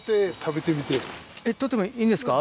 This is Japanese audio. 採ってもいいんですか？